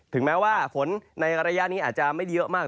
ถึงแม้ว่าฝนในระยะนี้อาจจะไม่ได้เยอะมาก